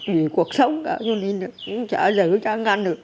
vì cuộc sống cả cho nên là chả giữ trang ngăn được